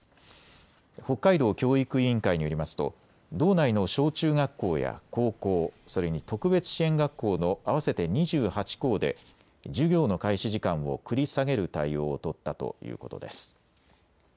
北海道教育委員会によりますと道内の小中学校や高校、それに特別支援学校の合わせて２８校で授業の開始時間を繰り下げる対応を取ったということです。